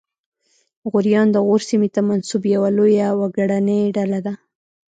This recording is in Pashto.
غوریان د غور سیمې ته منسوب یوه لویه وګړنۍ ډله ده